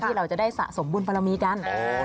เราจะได้สะสมบุญบารมีกัน